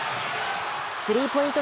スリーポイント